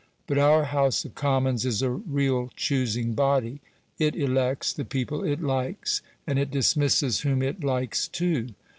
But our House of Commons is a real choosing body; it elects the people it likes. And it dismisses whom it likes too.